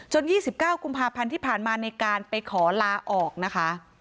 ๒๙กุมภาพันธ์ที่ผ่านมาในการไปขอลาออกนะคะ